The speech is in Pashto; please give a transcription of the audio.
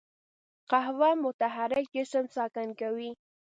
قوه متحرک جسم ساکن کوي.